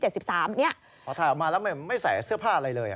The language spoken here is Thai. พอถ่ายออกมาแล้วไม่ใส่เสื้อผ้าอะไรเลย